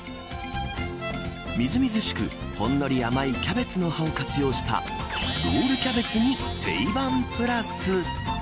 みずみずしくほんのり甘いキャベツの葉を活用したロールキャベツにテイバン＋。